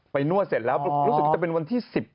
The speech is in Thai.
นวดเสร็จแล้วรู้สึกว่าจะเป็นวันที่๑๐